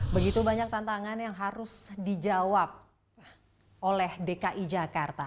begitu banyak tantangan yang harus dijawab oleh dki jakarta